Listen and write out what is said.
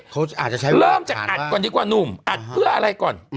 เขาอาจจะใช้เริ่มจากอัดก่อนดีกว่าหนุ่มอัดเพื่ออะไรก่อน